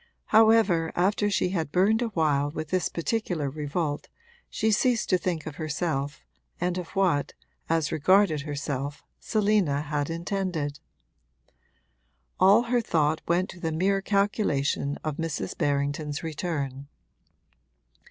However, after she had burned a while with this particular revolt she ceased to think of herself and of what, as regarded herself, Selina had intended: all her thought went to the mere calculation of Mrs. Berrington's return.